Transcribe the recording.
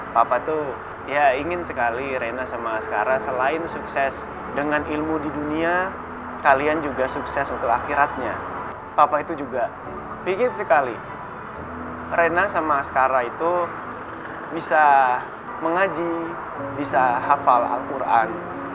bisa mengaji bisa hafal al quran